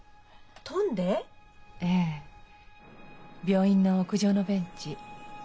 ええ病院の屋上のベンチ